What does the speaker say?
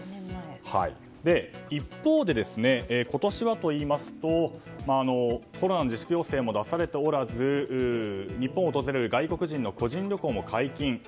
一方で、今年はといいますとコロナの自粛要請も出されておらず日本を訪れる外国人の個人旅行も解禁。